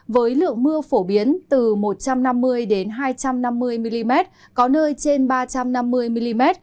với lượng mưa phổ biến từ một trăm năm mươi hai trăm năm mươi mm có nơi trên ba trăm năm mươi mm